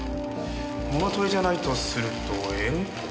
物盗りじゃないとすると怨恨。